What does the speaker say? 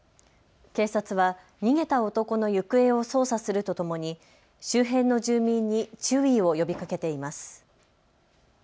警察は逃げた男の行方を捜査するとともに周辺の住民に注意を呼びかけています。